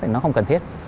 thì nó không cần thiết